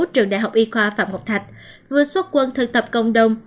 trường đại học y khoa phạm ngọc thạch vừa xuất quân thực tập cộng đồng